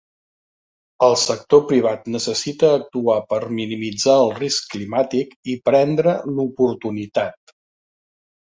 El sector privat necessita actuar per minimitzar el risc climàtic i prendre l'oportunitat.